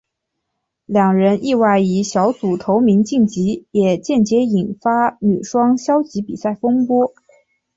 两人意外以小组头名晋级也间接引发女双消极比赛风波。